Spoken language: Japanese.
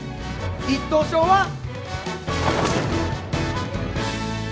一等賞は！